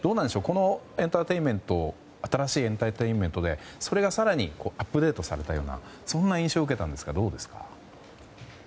この新しいエンターテインメントでそれが更にアップデートされたようなそんな印象を受けたんですが。